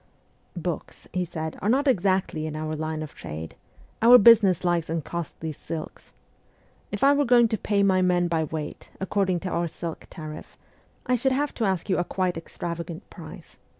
' Books/ he said, ' are not exactly in our line of trade ; our business lies in costly silks. If I were going to pay my men by weight, according to our silk tariff, I should have to ask you a quite extravagant price.